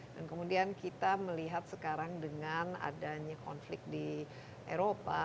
dan kemudian kita melihat sekarang dengan adanya konflik di eropa